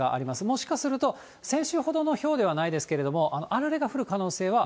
もしかすると、先週ほどのひょうではないですけれども、あられが降る可能性は、